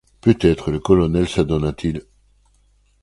Peut-être le colonel s’adonna-t-il